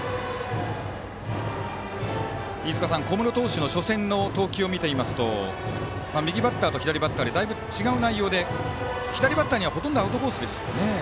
飯塚さん、小室投手の初戦の投球を見ていますと右バッターと左バッターでだいぶ違う内容で左バッターにはほとんどアウトコースでしたね。